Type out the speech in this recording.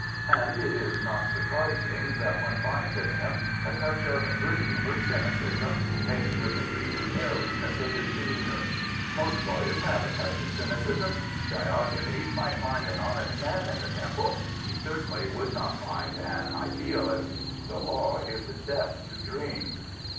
And it is not surprising that one finds in him a touch of good humoured cynicism, mixed with the breezy carelessness of his demejiiour. Most lawyers have a touch of cynicism, "thogenes might find an honest man in the Temple: he certainly would *not find an idealist. The law is death to dreams.